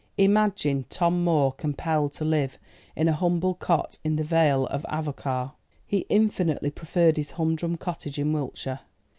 Imagine Tom Moore compelled to live in a humble cot in the Vale of Avoca! He infinitely preferred his humdrum cottage in Wiltshire.